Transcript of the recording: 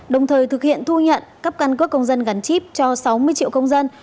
đồng thời thực hiện thu nhận cấp căn cước công dân gắn chip cho sáu mươi triệu công dân